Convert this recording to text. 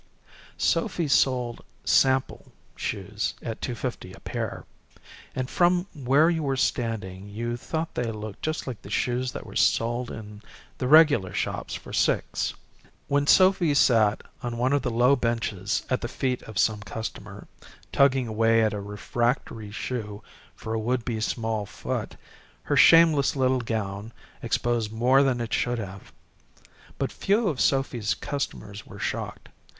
Sophy sold "sample" shoes at two fifty a pair, and from where you were standing you thought they looked just like the shoes that were sold in the regular shops for six. When Sophy sat on one of the low benches at the feet of some customer, tugging away at a refractory shoe for a would be small foot, her shameless little gown exposed more than it should have. But few of Sophy's customers were shocked.